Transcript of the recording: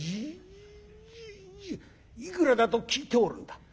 「いくらだと聞いておるんだ」。